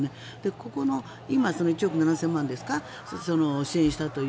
ここの今、１億７０００万ですか支援したという。